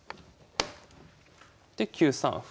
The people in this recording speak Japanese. で９三歩。